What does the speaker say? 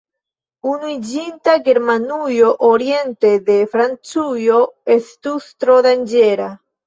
Unuiĝinta Germanujo oriente de Francujo estus tro danĝera.